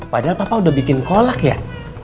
padahal papa udah bikin kolak ya